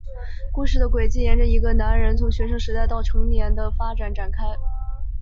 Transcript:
故事的轨迹沿着一个男人从学生时代到成年的发展展开。